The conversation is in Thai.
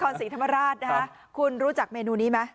ใช่นะครสี่ธรรมาสรรคุณรู้จักเมนูนี้ไหม